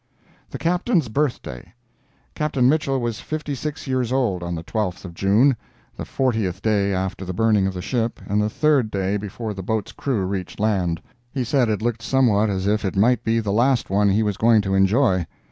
THE CAPTAIN'S BIRTHDAY Captain Mitchell was fifty six years old on the 12th of June—the fortieth day after the burning of the ship and the third day before the boat's crew reached land. He said it looked somewhat as if it might be the last one he was going to enjoy.